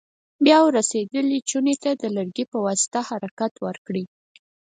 بیا ور رسېدلې چونې ته د لرګي په واسطه حرکت ورکړئ.